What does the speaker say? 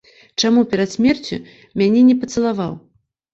Чаму перад смерцю мяне не пацалаваў?